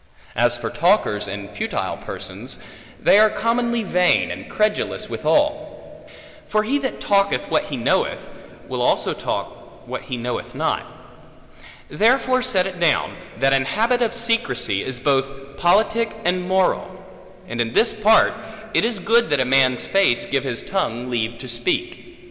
As for talkers and futile persons, they are commonly vain and credulous withal. For he that talketh what he knoweth, will also talk what he knoweth not. Therefore set it down, that an habit of secrecy, is both politic and moral. And in this part, it is good that a man's face give his tongue leave to speak.